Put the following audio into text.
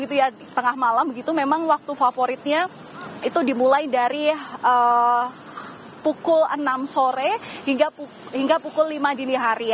tengah malam begitu memang waktu favoritnya itu dimulai dari pukul enam sore hingga pukul lima dini hari